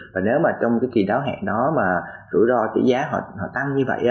và nếu mà trong cái kỳ đáo hạn đó mà rủi ro tỷ giá họ tăng như vậy á